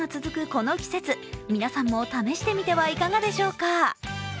この季節、皆さんも試してみてはいかがでしょうか。